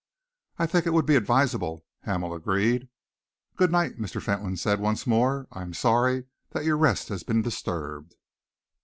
"I think it would be advisable," Hamel agreed. "Good night!" Mr. Fentolin said once more. "I am sorry that your rest has been disturbed."